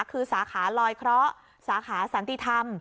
คือสาขาลอยเคราะห์สาขาสันติธรรม